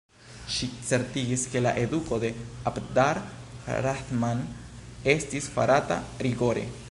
Ŝi certigis ke la eduko de Abd ar-Rahman estis farata rigore.